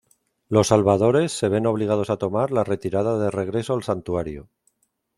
Los Salvadores se ven obligados a tomar la retirada de regreso al Santuario.